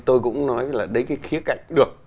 tôi cũng nói là đấy cái khía cạnh được